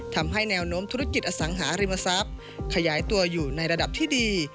ทำให้แนวโน้มธุรกิจอสังหาริมทรัพย์ขยายตัวอยู่ในระดับที่ดี